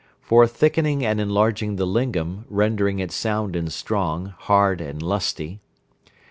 For thickening and enlarging the lingam, rendering it sound and strong, hard and lusty.